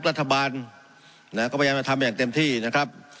รัฐบาลนะก็พยายามจะทำอย่างเต็มที่นะครับ